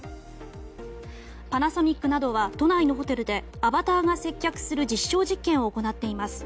パナソニックなどは都内のホテルでアバターが接客する実証実験を行っています。